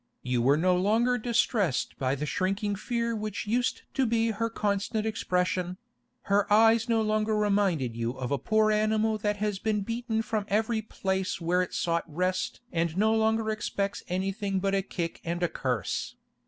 You were no longer distressed by the shrinking fear which used to be her constant expression; her eyes no longer reminded you of a poor animal that has been beaten from every place where it sought rest and no longer expects anything but a kick and a curse.